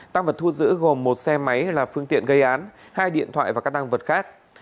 tăng vật thu giữ gồm một xe máy là phương tiện gây án hai điện thoại và các tăng vật khác